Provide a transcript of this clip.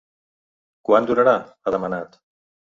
Quant durarà?, ha demanat.